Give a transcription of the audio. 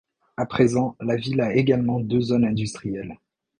À présent, la ville a également deux zones industrielles.